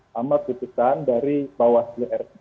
sama putusan dari bawaslu ri